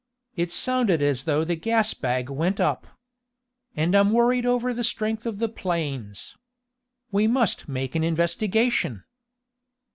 "It sounded as though the gas bag went up. And I'm worried over the strength of the planes. We must make an investigation!"